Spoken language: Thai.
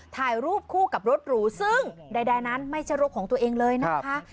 ถ่ายรูปคู่กับรถหรูซึ่งใดนั้นไม่ใช่รถของตัวเองเลยนะคะ